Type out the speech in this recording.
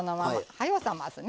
はよう冷ますね。